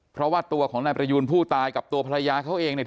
เพราะว่าตัวของนายประยูนผู้ตายกับตัวภรรยาเขาเองเนี่ย